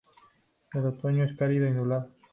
El otoño es cálido y nublado.